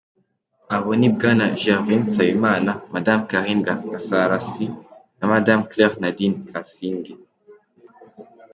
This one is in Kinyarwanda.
Abo ni Bwana Gervais Nsabimana, Madame Karine Gasarasi na Madame Claire Nadine Kasinge.